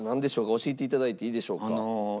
教えて頂いていいでしょうか？